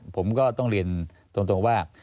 ผมก็ต้องเรียนตรงว่า